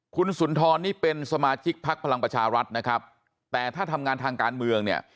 คุณสุนทรนี่เป็นสมาชิกพักพลังประชารัฐนะครับแต่ถ้าทำงานทางการเมืองเนี่ย